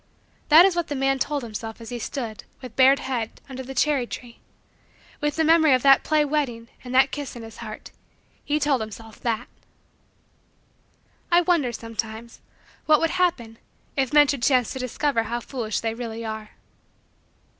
That is what the man told himself as he stood, with bared head, under the cherry tree. With the memory of that play wedding and that kiss in his heart, he told himself that! I wonder, sometimes, what would happen if men should chance to discover how foolish they really are.